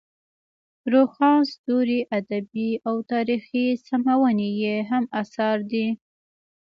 روښان ستوري ادبي او تاریخي سمونې یې هم اثار دي.